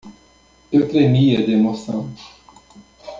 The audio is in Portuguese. Eu tremia de emoção